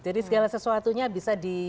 jadi segala sesuatunya bisa di